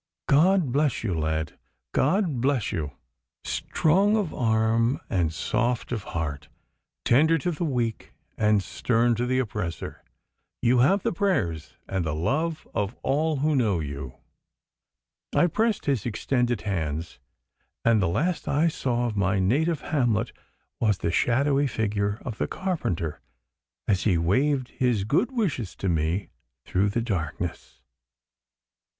God bless you, lad, God bless you! Strong of arm and soft of heart, tender to the weak and stern to the oppressor, you have the prayers and the love of all who know you.' I pressed his extended hands, and the last I saw of my native hamlet was the shadowy figure of the carpenter as he waved his good wishes to me through the darkness.